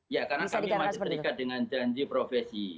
ya karena kami masih terikat dengan janji profesi